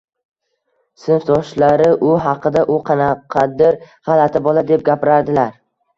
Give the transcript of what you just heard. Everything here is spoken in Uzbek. Sinfdoshlari u haqida “U qanaqadir g‘alati bola!”, deb gapiradilar.